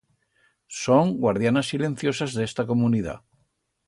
Son guardianas silenciosas d'esta comunidat.